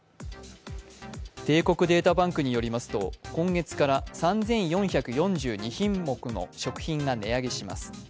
帝国データバンクによりますと今月から、３４４２品目の食品が値上げします。